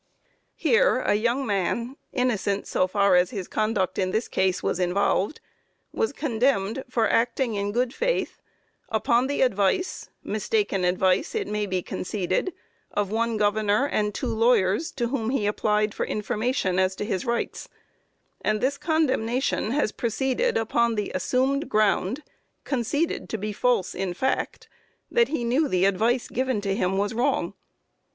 Here a young man, innocent so far as his conduct in this case was involved, was condemned, for acting in good faith upon the advice, (mistaken advice it may be conceded,) of one governor and two lawyers to whom he applied for information as to his rights; and this condemnation has proceeded upon the assumed ground, conceded to be false in fact, that he knew the advice given to him was wrong.